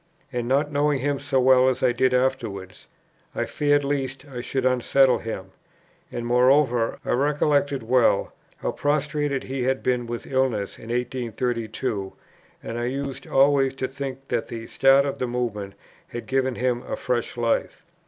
And, not knowing him so well as I did afterwards, I feared lest I should unsettle him. And moreover, I recollected well, how prostrated he had been with illness in 1832, and I used always to think that the start of the Movement had given him a fresh life.